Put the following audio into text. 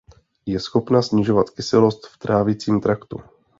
Je schopna snižovat kyselost v trávicím traktu.